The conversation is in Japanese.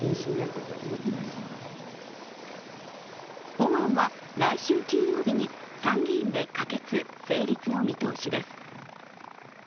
法案は来週金曜日に参議院で可決・成立の見通しです。